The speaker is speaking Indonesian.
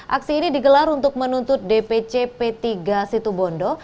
aksi ini digelar untuk menuntut dpc p tiga situbondo